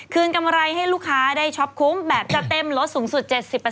กำไรให้ลูกค้าได้ช็อปคุ้มแบบจะเต็มลดสูงสุด๗๐